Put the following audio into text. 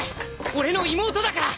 俺の妹だから！